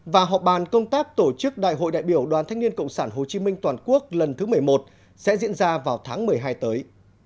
và họp bàn công tác tổ chức đại hội đại biểu đoàn thanh niên cộng sản hồ chí minh toàn quốc lần thứ một mươi một sẽ diễn ra vào tháng một mươi hai tới